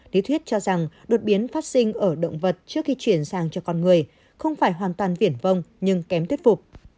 lý thuyết cho rằng đột biến phát sinh ở động vật trước khi chuyển sang cho con người không phải hoàn toàn viển vong nhưng kém thuyết phục